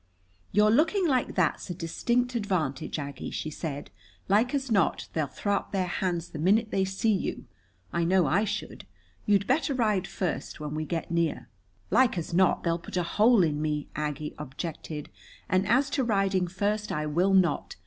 "Your looking like that's a distinct advantage, Aggie," she said. "Like as not they'll throw up their hands the minute they see you. I know I should. You'd better ride first when we get near." "Like as not they'll put a hole in me," Aggie objected. "And as to riding first, I will not.